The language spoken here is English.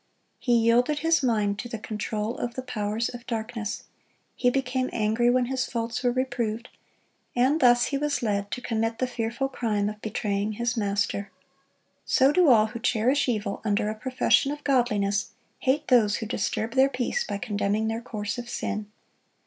He yielded his mind to the control of the powers of darkness, he became angry when his faults were reproved, and thus he was led to commit the fearful crime of betraying his Master. So do all who cherish evil under a profession of godliness hate those who disturb their peace by condemning their course of sin.